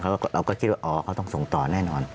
เราก็คิดว่าอ๋อเขาต้องส่งต่อแน่นอน